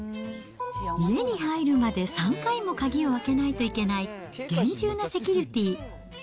家に入るまで３回も鍵を開けないといけない、厳重なセキュリティ。